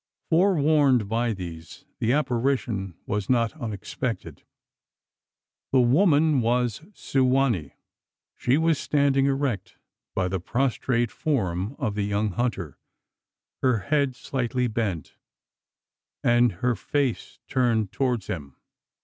Forewarned by these, the apparition was not unexpected. The woman was Su wa nee! She was standing erect by the prostrate form of the young hunter her head slightly bent, and her face turned towards him.